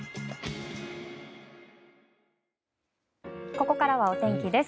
ここからはお天気です。